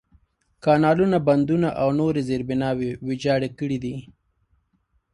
کانالونه، بندونه، او نورې زېربناوې ویجاړې کړي دي.